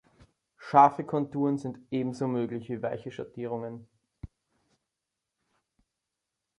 Scharfe Konturen sind ebenso möglich wie weiche Schattierungen.